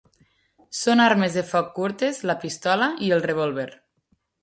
Són armes de foc curtes la pistola i el revòlver.